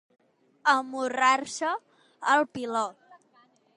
Amorrar-se al piló.